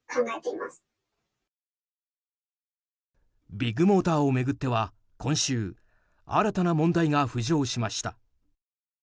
ビッグモーターを巡っては今週新たな問題が浮上しました。